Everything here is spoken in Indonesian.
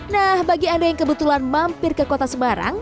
nah bagi anda yang kebetulan mampir ke kota semarang